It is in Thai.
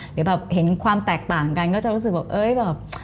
หรือแบบเห็นความแตกต่างกันก็จะรู้สึกว่า